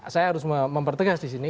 saya harus mempertegas disini